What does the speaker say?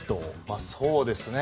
そうですね。